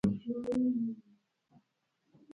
اکبر جان خپل سر ته دوه ډزي ټوپک اېښی و.